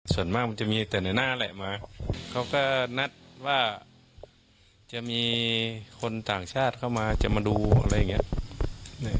ส่วนมากมันจะมีแต่ในหน้าแหละมาเขาก็นัดว่าจะมีคนต่างชาติเข้ามาจะมาดูอะไรอย่างนี้